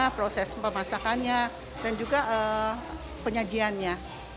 proses pemasakannya dan juga penyajiannya